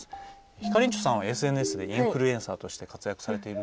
ひかりんちょさんはＳＮＳでインフルエンサーとして活躍されている。